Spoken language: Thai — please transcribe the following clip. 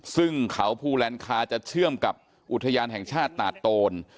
ซึ่งเขาภูแลนคาจะเชื่อมกับอุทยานแห่งชาติตาดโตน